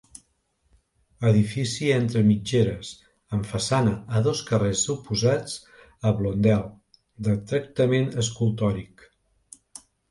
Edifici entre mitgeres, amb façana a dos carrers oposats a Blondel de tractament escultòric.